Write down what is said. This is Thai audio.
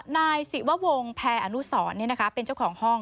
นายศิววงศ์แพรอนุสรเป็นเจ้าของห้อง